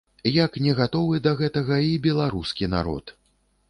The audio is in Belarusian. Як не гатовы да гэтага і беларускі народ.